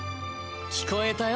聞こえたよ